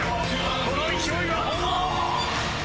この勢いは本物。